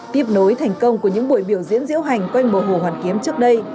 tiếp nối thành công của những buổi biểu diễn diễu hành quanh bộ hồ hoàn kiếm trước đây